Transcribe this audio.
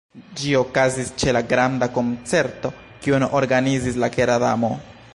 Ĝi okazis ĉe la granda koncerto kiun organizis la Kera Damo.